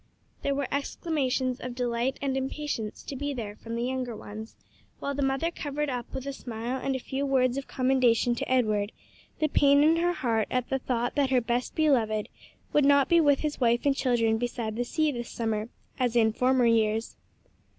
There were exclamations of delight and impatience to be there from the younger ones, while the mother covered up with a smile and a few words of commendation to Edward the pain in her heart at the thought that her best beloved would not be with his wife and children beside the sea this summer, as in former years.